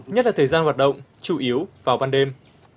nhất là thời gian hoạt động chủ yếu vào ban đêm